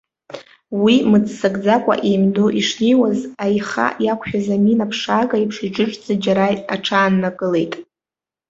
Уи мыццакӡакәа еимдо ишнеиуаз, аиха иақәшәаз аминаԥшаага еиԥш иџыџӡа џьара аҽааннакылеит.